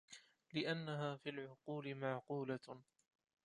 لِأَنَّهَا فِي الْعُقُولِ مَعْقُولَةٌ